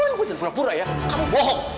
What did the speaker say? jangan pura pura ya kamu bohong